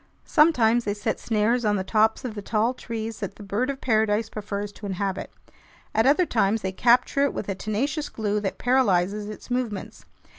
Sometimes they set snares on the tops of the tall trees that the bird of paradise prefers to inhabit. At other times they capture it with a tenacious glue that paralyzes its movements.